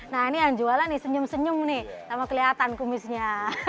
nah ini yang jualan nih senyum senyum nih sama kelihatan kumisnya